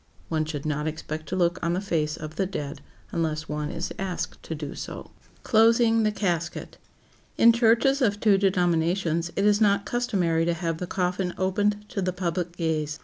One should not expect to look on the face of the dead unless one is asked to do so. [Sidenote: CLOSING THE CASKET] In churches of two denominations it is not customary to have the coffin opened to the public gaze.